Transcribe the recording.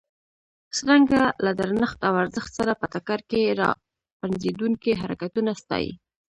څرنګه له درنښت او ارزښت سره په ټکر کې را پنځېدونکي حرکتونه ستایي.